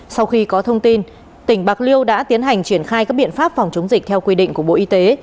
sau khi có thông tin tỉnh bạc liêu đã tiến hành triển khai các biện pháp phòng chống dịch theo quy định của bộ y tế